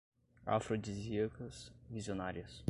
afrodisíacas, visionárias